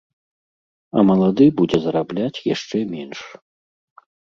А малады будзе зарабляць яшчэ менш.